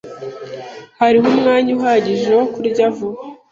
Hariho umwanya uhagije wo kurya vuba.